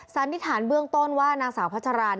สันนิษฐานเบื้องต้นว่านางสาวพัชราน